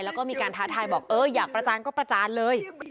แล้วก็มีการท้าทายบอกเอออยากประจานก็ประจานเลย